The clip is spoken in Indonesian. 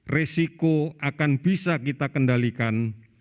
resiko akan bisa kita kendalikan